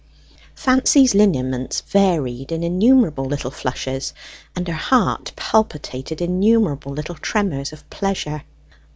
Fancy's lineaments varied in innumerable little flushes, and her heart palpitated innumerable little tremors of pleasure.